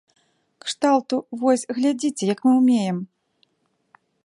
Кшталту, вось, глядзіце, як мы ўмеем!